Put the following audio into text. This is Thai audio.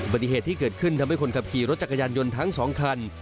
ปฏิเหตุที่เกิดขึ้นทำให้คนขับขี่รถจักรยานยนต์ทั้งสองคัน